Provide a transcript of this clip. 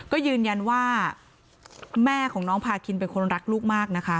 ก็ยืนยันว่าแม่ของน้องพาคินเป็นคนรักลูกมากนะคะ